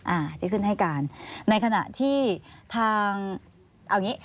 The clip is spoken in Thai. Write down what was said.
อ่าที่ขึ้นให้การในขณะที่ทางเอาอย่างงี้